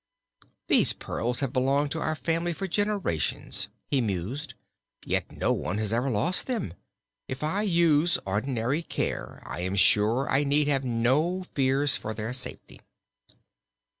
"These pearls have belonged to our family for generations," he mused, "yet no one has ever lost them. If I use ordinary care I am sure I need have no fears for their safety."